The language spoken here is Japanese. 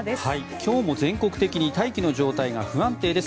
今日も全国的に大気の状態が不安定です。